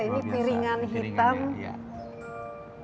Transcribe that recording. ini piringan hitam